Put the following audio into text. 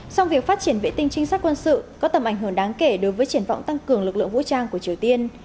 song việc phát triển vệ tinh trinh sát quân sự có tầm ảnh hưởng đáng kể đối với triển vọng tăng cường lực lượng vũ trang của triều tiên